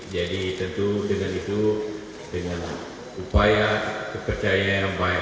jadi tentu dengan itu dengan upaya kepercayaan yang baik